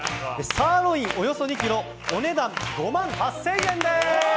サーロインおよそ２ｋｇお値段５万８０００円です。